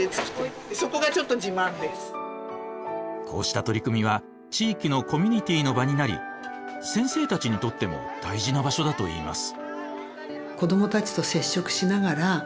こうした取り組みは地域のコミュニティーの場になり先生たちにとっても大事な場所だといいます。